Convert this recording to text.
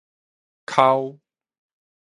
剾